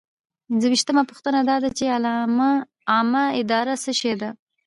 پنځویشتمه پوښتنه دا ده چې عامه اداره څه شی ده.